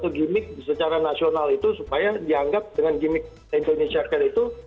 satu gimmick secara nasional itu supaya dianggap dengan gimmick indonesia care itu